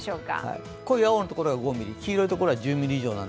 濃い青のところが５ミリ黄色いところが１０ミリ以上。